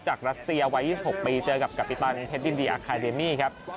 รัสเซียวัย๒๖ปีเจอกับกัปปิตันเพชรยินดีอาคาเดมี่ครับ